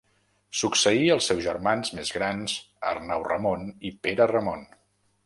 Succeí els seus germans més grans Arnau Ramon i Pere Ramon.